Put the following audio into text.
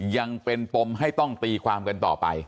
ยังเป็นปมให้ต้องตีความกันต่อไป